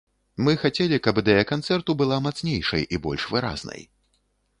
Мы хацелі, каб ідэя канцэрту была мацнейшай і больш выразнай.